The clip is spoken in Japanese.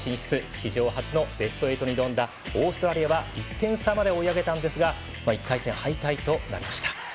史上初のベスト８に挑んだオーストラリアは１点差まで追い上げましたが１回戦敗退となりました。